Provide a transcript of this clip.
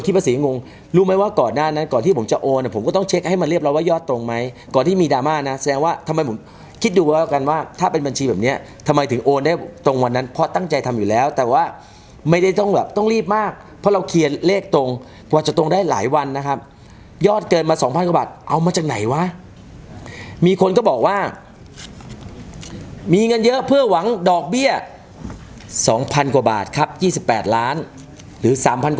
สิบสี่งงรู้ไหมว่าก่อนหน้านั้นก่อนที่ผมจะโอนผมก็ต้องเช็คให้มันเรียบร้อยว่ายอดตรงไหมก่อนที่มีดราม่านะแสดงว่าทำไมผมคิดดูกับกันว่าถ้าเป็นบัญชีแบบเนี้ยทำไมถึงโอนได้ตรงวันนั้นเพราะตั้งใจทำอยู่แล้วแต่ว่าไม่ได้ต้องแบบต้องรีบมากเพราะเราเคลียรเลขตรงกว่าจะตรงได้หลายวันนะครับยอดเก